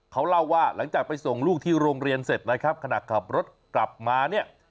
เขาเล่าว่าหลังจากไปส่งลูกที่โรงเรียนเสร็จนะครับขณะขับรถกลับมาเนี่ย